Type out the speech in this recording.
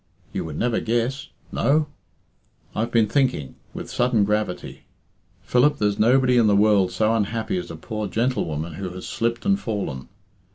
"You would never guess." "No?" "I've been thinking," with sudden gravity. "Philip, there's nobody in the world so unhappy as a poor gentlewoman who has slipped and fallen.